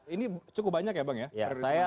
ini cukup banyak ya bang ya